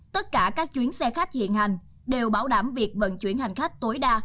tất cả các chuyến xe khách hiện hành đều bảo đảm việc vận chuyển hành khách tối đa